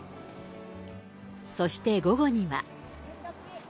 そして午後には。